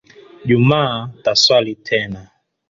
Jumaa taswali tena.